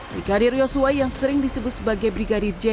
brigadir yoso hota yang sering disebut sebagai brigadir j